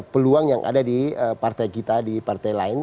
peluang yang ada di partai kita di partai lain